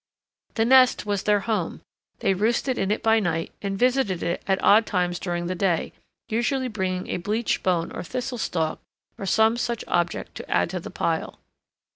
The nest was their home; they roosted in it by night and visited it at odd times during the day, usually bringing a bleached bone or thistle stalk or some such object to add to the pile.